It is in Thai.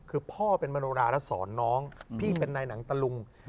คือพ่อเป็นมโนราและสอนน้องพี่เป็นนายหนังตะลุง